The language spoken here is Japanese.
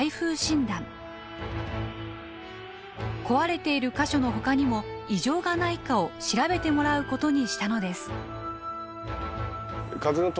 壊れている箇所のほかにも異常がないかを調べてもらうことにしたのです。